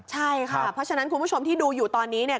ใช่ค่ะเพราะฉะนั้นคุณผู้ชมที่ดูอยู่ตอนนี้เนี่ย